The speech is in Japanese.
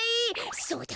そうだ！